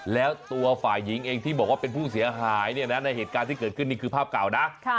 แล้วตัวฝ่ายหญิงเองที่บอกว่าเป็นผู้เสียหายเนี่ยนะในเหตุการณ์ที่เกิดขึ้นนี่คือภาพเก่านะ